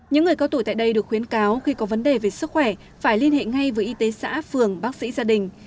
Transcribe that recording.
những người cao tuổi tại đây được khuyến cáo khi có vấn đề về sức khỏe phải liên hệ ngay với y tế xã phường bác sĩ gia đình